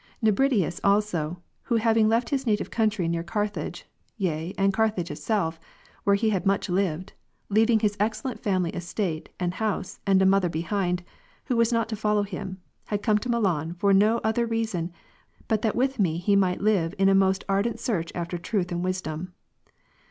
17. Nebridius also, who having left his native country near Carthage, yea and Carthage itself, where he had much lived, leaving his excellent family estate and house, and a mother behind, who was not to follow him, had come to Milan, for no other reason, but that with me he might live in a most ardent search after truth and wisdom.